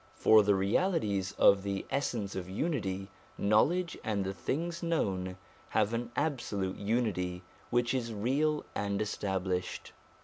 For the realities of the Essence of Unity, knowledge, and the things known, have an absolute unity which is real and established.